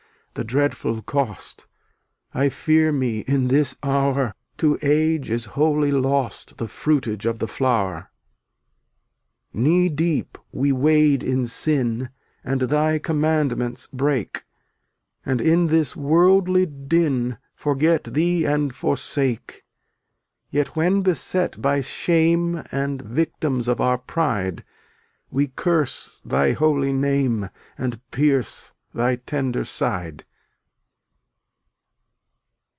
the dreadful cost; I fear me in this hour, To Age is wholly lost The fruitage of the flower. 304 Knee deep we wade in sin And thy commandments break, And in this wordly din Forget thee and forsake; Yea when beset by shame And victims of our pride, We curse Thy holy name And pierce Thy tender side.